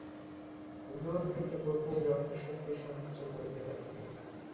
দূর হইতে পত্নী যথাশক্তি সাহায্য করিতে লাগিলেন।